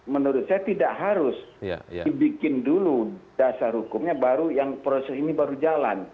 menurut saya tidak harus dibikin dulu dasar hukumnya baru yang proses ini baru jalan